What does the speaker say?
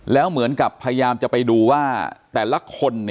แล้วเหมือนกับพยายามจะไปดูว่าแต่ละคน